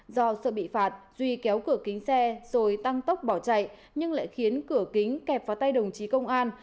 do sợ bị phạt duy kéo cửa kính xe rồi tăng tốc bỏ chạy nhưng lại khiến cửa kính kẹp vào tay đồng chí công an